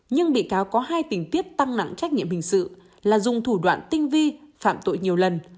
nhưng bị cáo có hai tình tiết tăng nặng trách nhiệm hình sự là dùng thủ đoạn tinh vi phạm tội nhiều lần